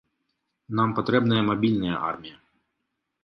Нам патрэбная мабільная армія.